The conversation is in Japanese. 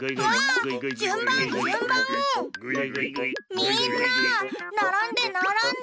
みんなならんでならんで。